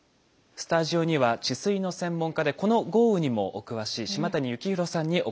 スタジオには治水の専門家でこの豪雨にもお詳しい島谷幸宏さんにお越し頂きました。